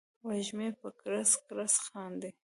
وږمې په کړس، کړس خاندي